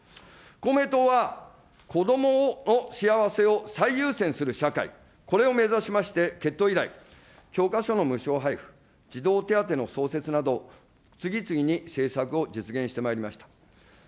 公明党は、子どもの幸せを最優先する社会、これを目指しまして、結党以来、教科書の無償配布、児童手当の創設など次々に政策を実現してまいりました。